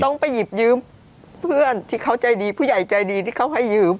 ต้องไปหยิบยืมเพื่อนที่เขาใจดีผู้ใหญ่ใจดีที่เขาให้ยืม